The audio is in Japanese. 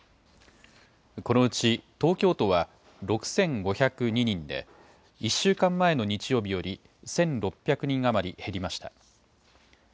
このうち東京都は６５０２人で、１週間前の日曜日より１６００人余り減りました。